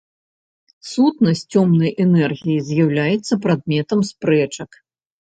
Сутнасць цёмнай энергіі з'яўляецца прадметам спрэчак.